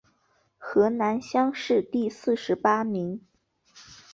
河南乡试第四十八名。